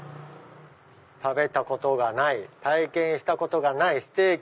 食べたことがない体験したことがないステーキを。